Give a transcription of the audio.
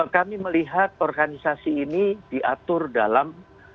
kami melihat organisasi ini diatur dalam